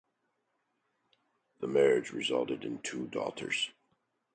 The marriage resulted in two daughters.